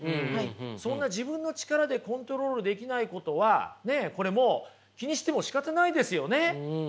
そんな自分の力でコントロールできないことはこれもう気にしてもしかたないですよね。